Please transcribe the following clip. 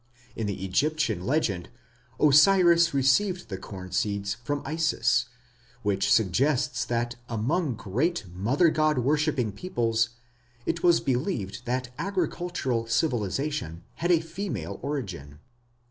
In the Egyptian legend Osiris received the corn seeds from Isis, which suggests that among Great Mother worshipping peoples, it was believed that agricultural civilization had a female origin.